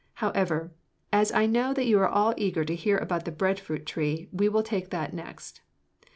However, as I know that you are all eager to hear about the bread fruit tree, we will take that next.